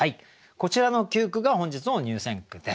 こちらの９句が本日の入選句です。